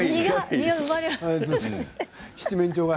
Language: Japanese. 七面鳥が。